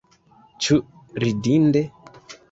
Ĉu ridinde?